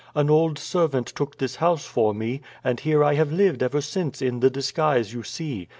An old servant took this house for me, and here I have lived ever since in the disguise you see.